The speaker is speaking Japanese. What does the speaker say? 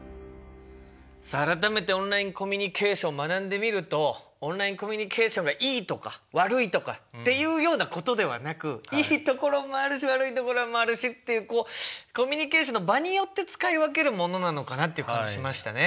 さあ改めてオンラインコミュニケーション学んでみるとオンラインコミュニケーションがいいとか悪いとかっていうようなことではなくいいところもあるし悪いところもあるしっていうコミュニケーションの場によって使い分けるものなのかなっていう感じしましたね。